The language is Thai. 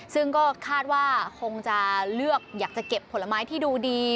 ซึ่งก็คาดว่าคงจะเลือกอยากจะเก็บผลไม้ที่ดูดี